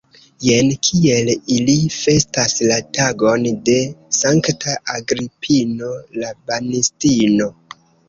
Jen kiel ili festas la tagon de sankta Agripino la Banistino!